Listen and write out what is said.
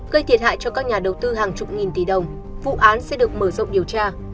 gây thiệt hại cho các nhà đầu tư hàng chục nghìn tỷ đồng vụ án sẽ được mở rộng điều tra